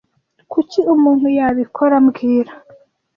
Kuki umuntu yabikora mbwira